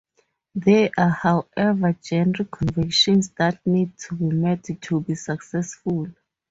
There are, however, genre conventions that need to be met to be successful.